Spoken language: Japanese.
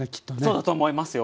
そうだと思いますよ。